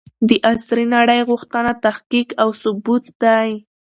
د عصري نړۍ غوښتنه تحقيق او ثبوت دی.